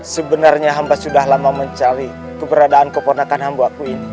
sebenarnya hamba sudah lama mencari keberadaan keponakan hamba aku ini